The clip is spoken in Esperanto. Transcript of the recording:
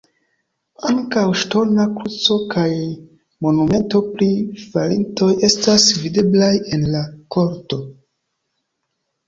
Ankaŭ ŝtona kruco kaj monumento pri falintoj estas videblaj en la korto.